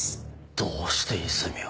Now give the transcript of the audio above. どうして和泉を？